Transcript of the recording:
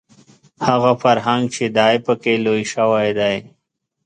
هغه فرهنګ چې دی په کې لوی شوی دی